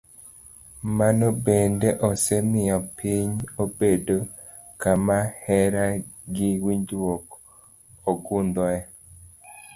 Mano bende osemiyo pinywa obedo kama hera gi winjruok ogundhoe.